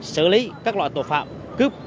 xử lý các loại tội phạm cướp